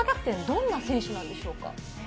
どんな選手なんでしょうか？